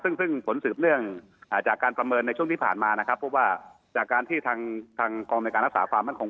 ซึ่งผลสืบเรื่องจากการประเมินในช่วงที่ผ่านมานะครับ